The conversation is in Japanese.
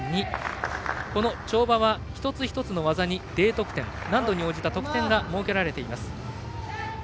跳馬は一つ一つの技にＤ得点、難度に応じた得点が設けられています。